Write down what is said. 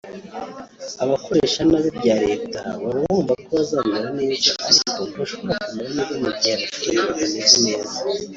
Abakoresha nabi ibya leta baba bumva ko bazamera neza ariko ntushobora kumera neza mu gihe abaturage batameze neza”